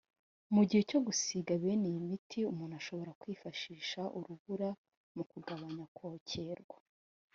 mu gihe cyo gusiga bene iyi miti umuntu ashobora kwifashisha urubura(barafu) mu kugabanya kwokerwa